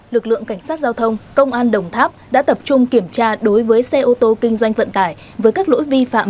lực lượng cảnh sát giao thông công an đồng tháp đã tập trung kiểm tra đối với xe ô tô kinh doanh vận tải với các lỗi vi phạm